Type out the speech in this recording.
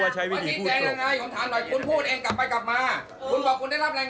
ไม่เกี่ยวไม่เกี่ยวไม่เกี่ยว